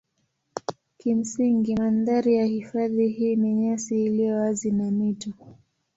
Kimsingi mandhari ya hifadhi hii ni nyasi iliyo wazi na mito.